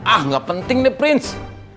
ah gak penting deh prince